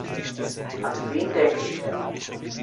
An wen denke ich da?